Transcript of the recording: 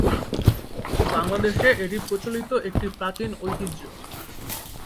বাংলাদেশে এটি প্রচলিত একটি প্রাচীন ঐতিহ্য।